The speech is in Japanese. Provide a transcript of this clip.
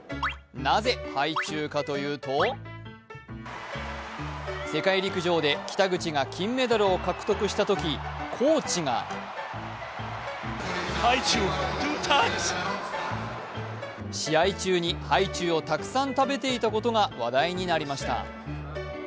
なぜ、ハイチュウかというと世界陸上で北口が金メダルを獲得したときコーチが試合中にハイチュウをたくさん食べていたことが話題になりました。